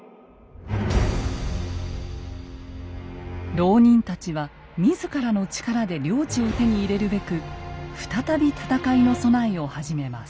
牢人たちは自らの力で領地を手に入れるべく再び戦いの備えを始めます。